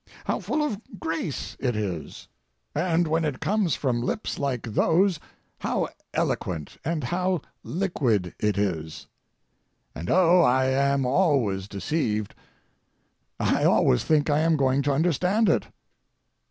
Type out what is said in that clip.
How full of grace it is. And when it comes from lips like those, how eloquent and how liquid it is. And, oh, I am always deceived—I always think I am going to understand it.